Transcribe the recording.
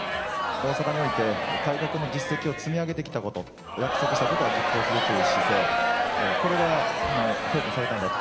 大阪において、改革の実績を積み上げてきたこと、約束したことは実行するという姿勢、これが評価されたんだと。